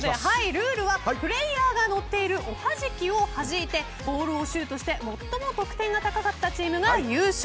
ルールはプレーヤーが乗っているおはじきをはじいてボールをシュートして最も得点が高かったチームが優勝。